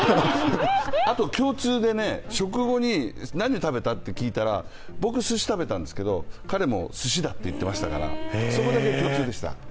あと共通で食後に何食べた？って聞いたら僕、すし食べたんですけど、彼もすしだって言っていましたからそこだけ共通でした。